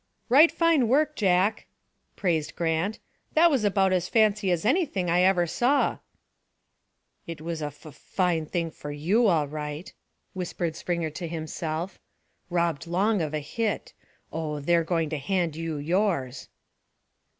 "Right fine work, Jack," praised Grant. "That was just about as fancy as anything I ever saw." "It was a fuf fine thing for you, all right," whispered Springer to himself. "Robbed Long of a hit. Oh, they're going to hand you yours!"